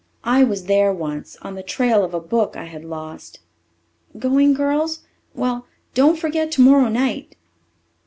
I was there once on the trail of a book I had lost. Going, girls? Well, don't forget tomorrow night."